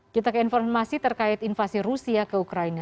kita ke informasi terkait invasi rusia ke ukraina